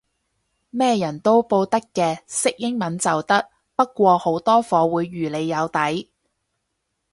咩人都報得嘅，識英文就得，不過好多課會預你有底